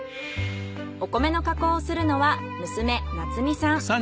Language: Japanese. お米の加工をするのは娘夏実さん。